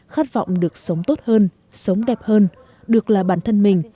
khát vọng được sống tốt hơn sống đẹp hơn được là bản thân mình